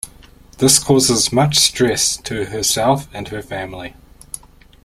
This causes much stress to herself and her family.